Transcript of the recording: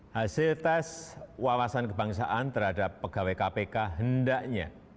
hasil tes wawasan kebangsaan terhadap pegawai kpk hendaknya